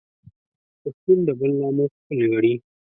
پښتون د بل ناموس خپل ګڼي